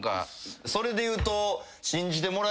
それで言うと。